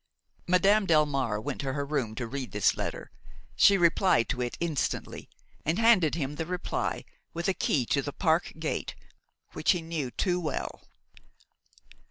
Madame Delmare went to her room to read this letter; she replied to it instantly, and handed him the reply with a key to the park gate, which he knew too well.